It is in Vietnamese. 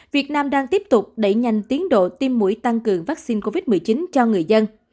việt nam đang tiếp tục đẩy nhanh tiến độ tiêm mũi tăng cường vaccine covid một mươi chín cho người dân